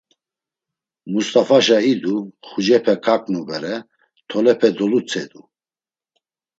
Must̆afaşa idu, mxucepe kaǩnu bere, tolepe dolutzedu.